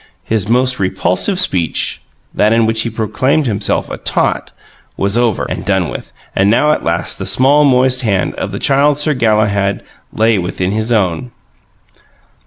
His most repulsive speech (that in which he proclaimed himself a "tot") was over and done with; and now at last the small, moist hand of the Child Sir Galahad lay within his own.